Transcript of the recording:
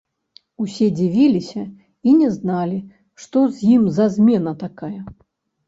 Усе дзівіліся і не зналі, што з ім за змена такая.